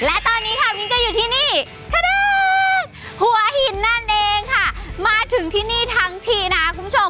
และตอนนี้ค่ะมิ้นก็อยู่ที่นี่ถนนหัวหินนั่นเองค่ะมาถึงที่นี่ทั้งทีนะคุณผู้ชม